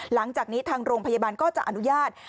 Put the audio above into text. หลังจากนี้ทางโรงพยาบาลก็จะอนุญาต